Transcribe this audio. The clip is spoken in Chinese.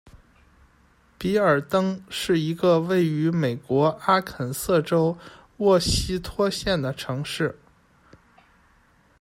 比尔登是一个位于美国阿肯色州沃希托县的城市。